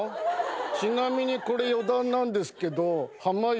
ちなみにこれ余談なんですけど濱家